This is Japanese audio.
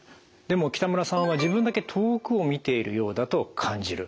でも北村さんは自分だけ遠くを見ているようだと感じる。